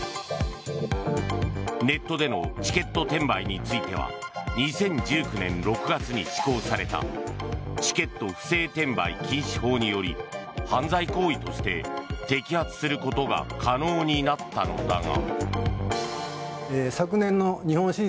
ネットでのチケット転売については２０１９年６月に施行されたチケット不正転売禁止法により犯罪行為として摘発することが可能になったのだが。